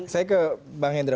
saya ke bang hendra